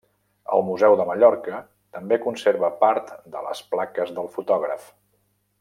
El Museu de Mallorca també conserva part de les plaques del fotògraf.